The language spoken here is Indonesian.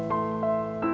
gak ada apa apa